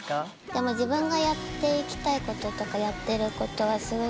でも自分がやっていきたいこととかやってることはすごく。